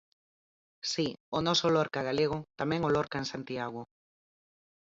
Si, o noso Lorca galego, tamén o Lorca en Santiago.